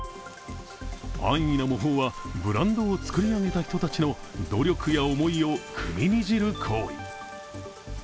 安易な模倣はブランドを作り上げた人たちの努力や思いを踏みにじる行為。